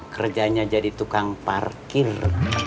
kerjanya jadi tukang parkir